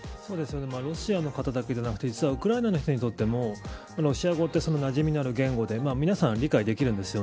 ロシアの方だけではなくて実はウクライナの人にとってロシア語は、なじみのある言語で皆さん理解できるんです。